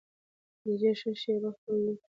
خدیجې ښه شېبه خپلې لور ته په ځیر وکتل.